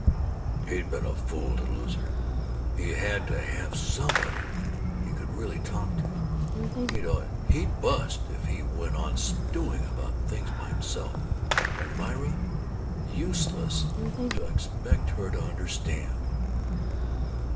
"He'd been a fool to lose her. He had to have somebody he could really talk to. He'd oh, he'd bust if he went on stewing about things by himself. And Myra, useless to expect her to understand.